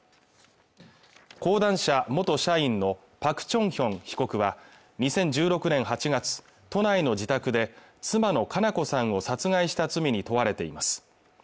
講談社元社員のパク・チョンヒョン被告は２０１６年８月都内の自宅で妻の佳菜子さんを殺害した罪に問われています